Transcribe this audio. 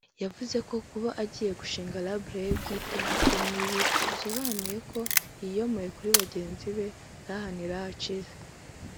yavuze ko kuba agiye gushing label ye bwite ngo ntibisobanuye ko yiyomoye kuri mugenzi we Nhlanhla Nciza